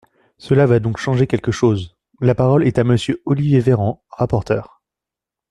Cela va donc changer quelque chose ! La parole est à Monsieur Olivier Véran, rapporteur.